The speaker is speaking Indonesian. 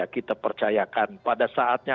kita percayakan pada saatnya